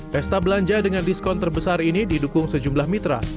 pesta belanja dengan diskon terbesar ini didukung sejumlah mitra